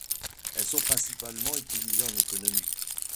Elles sont principalement utilisées en économie.